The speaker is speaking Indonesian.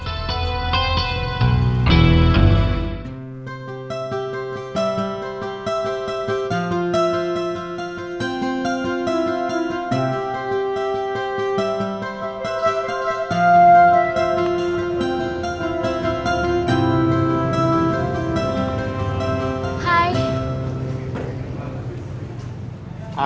hagap aja orang kamu